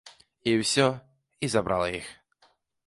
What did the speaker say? І ўсё, і забрала іх.